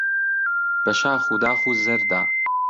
بە شاخ و داخ و زەردا